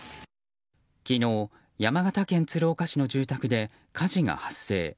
昨日、山形県鶴岡市の住宅で火事が発生。